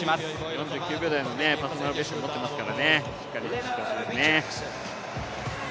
４９秒台のパーソナルベストも持っていますからね、しっかりと残ってほしいですね。